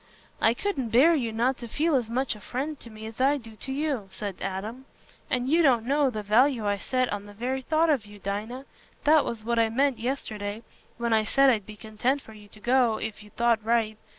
"I couldn't bear you not to feel as much a friend to me as I do to you," said Adam. "And you don't know the value I set on the very thought of you, Dinah. That was what I meant yesterday, when I said I'd be content for you to go, if you thought right.